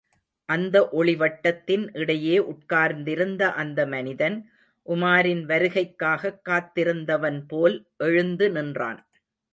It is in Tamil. அந்த ஒளிவட்டத்தின் இடையே உட்கார்ந்திருந்த அந்த மனிதன், உமாரின் வருகைக்காகக் காத்திருந்தவன் போல் எழுந்து நின்றான்.